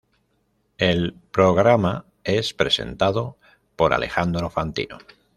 El programa es presentado por Alejandro Fantino.